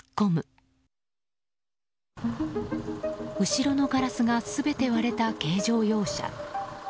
後ろのガラスが全て割れた軽乗用車。